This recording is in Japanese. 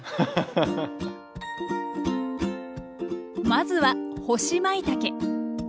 まずは干しまいたけ。